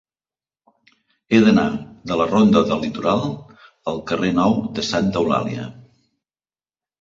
He d'anar de la ronda del Litoral al carrer Nou de Santa Eulàlia.